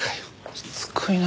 しつこいな。